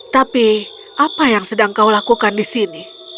tapi apa yang sedang kau lakukan di sini